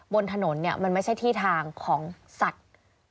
บนถนนเนี่ยมันไม่ใช่ที่ทางของสัตว์